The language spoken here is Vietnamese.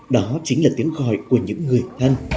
đó chính là tiếng khòi của những người thân